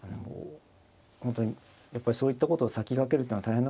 本当にやっぱりそういったことを先駆けるっていうのは大変なことだと思いますね。